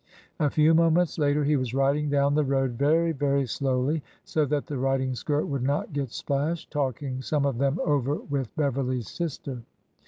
A few moments later he was riding down the road (very, very slowly, so that the riding skirt would not get splashed), talking some of them over with Beverly's sister.